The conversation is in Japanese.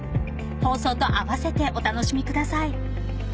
放送と併せてお楽しみください。